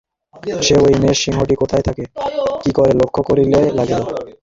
সে ঐ মেষ-সিংহটি কোথায় থাকে, কি করে, লক্ষ্য করিতে লাগিল।